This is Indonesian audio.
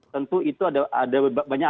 tentu itu ada banyak